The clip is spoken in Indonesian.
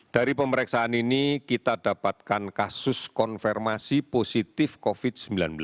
dari pemeriksaan ini kita dapatkan kasus konfirmasi positif covid sembilan belas